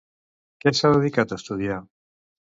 Què s'ha dedicat a estudiar?